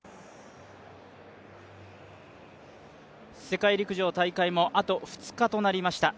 世界陸上大会もあと２日となりました。